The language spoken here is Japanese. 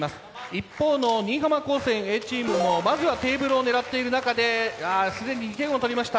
一方の新居浜高専Ａチームもまずはテーブルを狙っている中であすでに２点をとりました